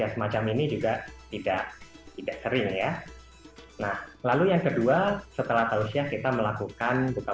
dan semacam ini juga tidak tidak sering ya nah lalu yang kedua setelah tausia kita melakukan buka